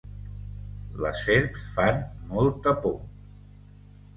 Les serps fan molta por!